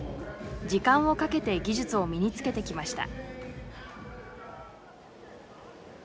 時間をかけて技術を身につけてきました。